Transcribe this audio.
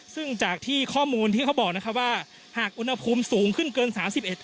ซึ่งจากที่ข้อมูลที่เขาบอกนะครับว่าหากอุณหภูมิสูงขึ้นเกินสามสิบเอ็ด